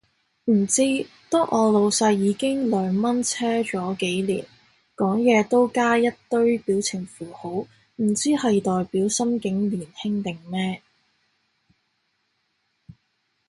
唔知，當我老細已經兩蚊車咗幾年，講嘢都加一堆表情符號，唔知係代表心境年輕定咩